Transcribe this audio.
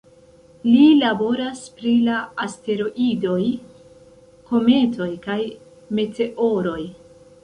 Li laboras pri la asteroidoj, kometoj kaj meteoroj.